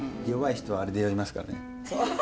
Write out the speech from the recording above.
弱い人はあれで酔いますからね。